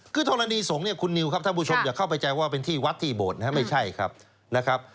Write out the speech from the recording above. คือทรณีสงศ์คุณนิวครับท่านผู้ชมอย่าเข้าใจว่าเป็นที่วัดที่โบสถ์ไม่ใช่ครับ